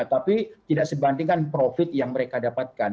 tapi tidak sebandingkan profit yang mereka dapatkan